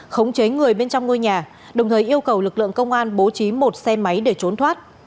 khống chế người bên trong ngôi nhà đồng thời yêu cầu lực lượng công an bố trí một xe máy để trốn thoát